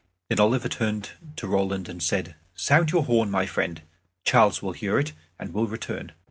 Then Oliver turned to Roland, and said, "Sound your horn; my friend, Charles will hear it, and will return."